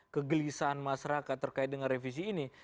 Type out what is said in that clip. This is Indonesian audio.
kegelisahan masyarakat terkait dengan revisi ini